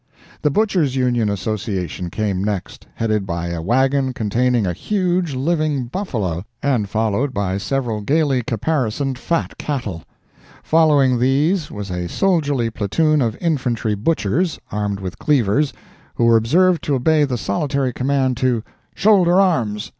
The Butchers' Union Association came next, headed by a wagon containing a huge living buffalo, and followed by several gaily caparisoned fat cattle; following these was a soldierly platoon of infantry butchers, armed with cleavers, who were observed to obey the solitary command to "Shoulder arms!"